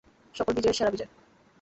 সকল বিজয়ের সেরা বিজয়।